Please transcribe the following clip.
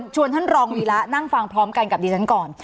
ท่านรองวีระนั่งฟังพร้อมกันกับดิฉันก่อน